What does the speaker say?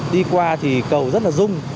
đi qua thì cầu rất là rung